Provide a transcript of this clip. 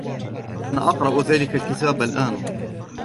أنا أقرأُ ذلِكَ الكِتابَ الآن